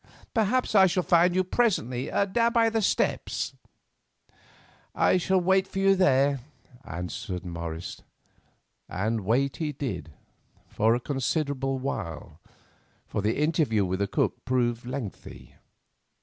Perhaps I shall find you presently by the steps." "I will wait for you there," answered Morris. And wait he did, for a considerable while, for the interview with the cook proved lengthy.